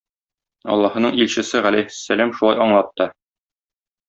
Аллаһының илчесе галәйһиссәләм шулай аңлатты